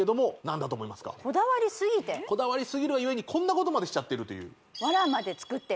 こだわりすぎるがゆえにこんなことまでしちゃってるとあっ！